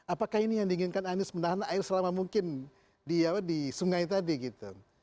apakah ini yang diinginkan anies menahan air selama mungkin di sungai tadi gitu